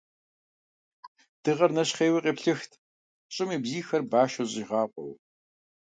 Дыгъэр нэщхъейуэ къеплъыхт щӀым и бзийхэр, башу зыщӀигъакъуэу.